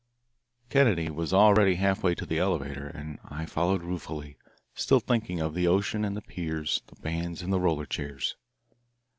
Kennedy was already half way to the elevator, and I followed ruefully, still thinking of the ocean and the piers, the bands and the roller chairs.